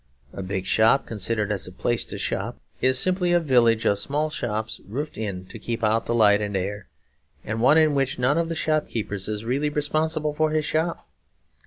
A big shop, considered as a place to shop in, is simply a village of small shops roofed in to keep out the light and air; and one in which none of the shopkeepers is really responsible for his shop.